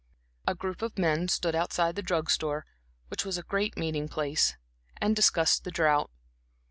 A group of men stood outside the drug store, which was a great meeting place, and discussed the drought.